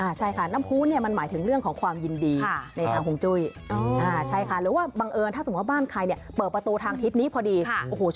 ใช่ค่ะน้ำผู้มันหมายถึงเรื่องของความยินดีในค่าราบฮงจุ้ย